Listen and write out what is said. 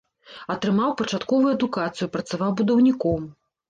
Атрымаў пачатковую адукацыю, працаваў будаўніком.